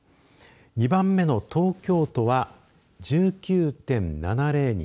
２番目の東京都は１９．７０人。